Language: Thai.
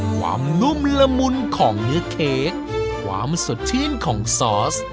นุ่มละมุนของเนื้อเค้กความสดชื่นของซอส